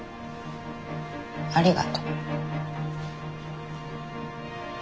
ありがと。